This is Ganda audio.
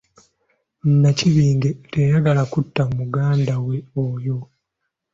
Nnakibinge teyayagala kutta muganda we oyo.